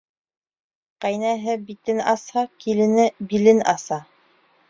Ҡәйнәһе битен асһа, килене... билен аса.